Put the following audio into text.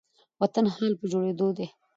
وطن حال په جوړيدو دي